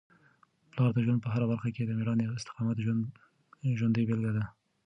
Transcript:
پلار د ژوند په هره برخه کي د مېړانې او استقامت ژوندۍ بېلګه ده.